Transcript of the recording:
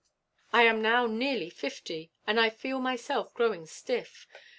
I am now nearly fifty, and I feel myself growing stiff.